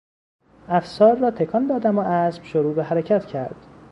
افسار را تکان دادم و اسب شروع به حرکت کرد.